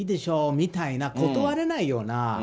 みたいな、断れないような、